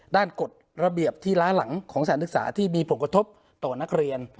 กฎระเบียบที่ล้าหลังของสถานศึกษาที่มีผลกระทบต่อนักเรียน